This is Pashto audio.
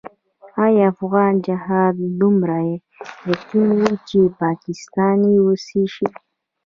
آیا افغان جهاد دومره یتیم وو چې پاکستان یې وصي شي؟